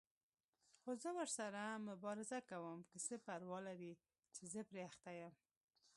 خو زه ورسره مبارزه کوم، څه پروا لري چې زه پرې اخته یم.